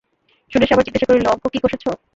সুরেশ আবার জিজ্ঞাসা করিল, অঙ্ক কি কষেচ?